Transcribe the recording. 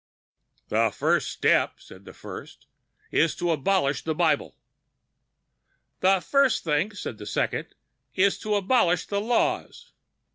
"The first step," said the first, "is to abolish the Bible." "The first thing," said the second, "is to abolish the laws."